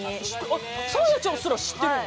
あっサーヤちゃんすら知ってるの？